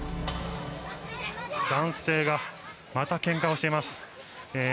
男性がまたけんかをしています。